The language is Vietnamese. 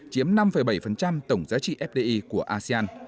chiếm năm bảy tổng giá trị fdi của asean